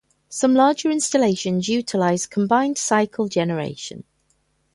Some larger installations utilize combined cycle generation.